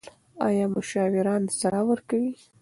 ایا مشاوران سلا ورکوي؟